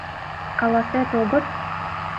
— Каласет, огыт?!